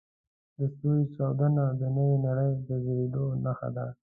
د ستوري چاودنه د نوې نړۍ د زېږېدو نښه ده.